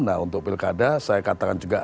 nah untuk pilkada saya katakan juga